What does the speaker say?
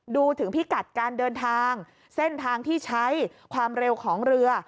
ดูถึงพิกัดการเดินทางเส้นทางที่ใช้ความเร็วของเรือ